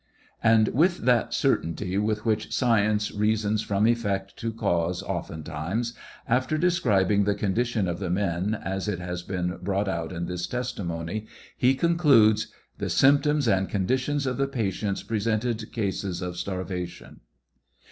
And with that certainty with which science reasons from effect to cause often times, after describing the condition of the men as it has been brought out in this testimony, he concludes, "The symptoms and condition of the patients pre sented cases of starvation."